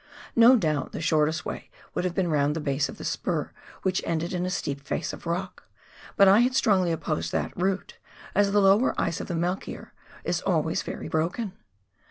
No doubt the shortest way would have been round the base of the sjjur which ended in a steep face of rock, but I had strongly opposed that route, as the lower ice of the Melchior is always very broken.